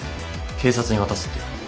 警察に渡すって。